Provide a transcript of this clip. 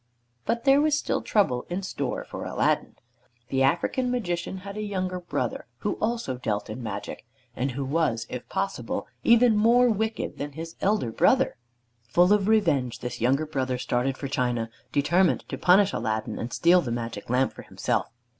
But there was still trouble in store for Aladdin. The African Magician had a younger brother who also dealt in magic, and who was if possible even more wicked than his elder brother. Full of revenge, this younger brother started for China, determined to punish Aladdin and steal the Magic Lamp for himself.